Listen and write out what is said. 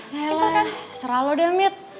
ya elah serah lo dammit